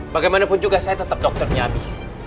bagaimanapun juga saya tetap dokternya abi